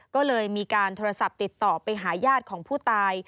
ก็เลยมีการโทรศัพท์ติดต่อไปหาญาติของผู้ตาย